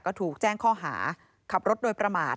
ก็ถูกแจ้งข้อหาขับรถโดยประมาท